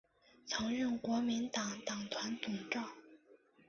曾任国民党党团总召。